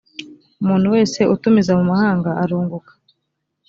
umuntu wese utumiza mu mahanga arunguka.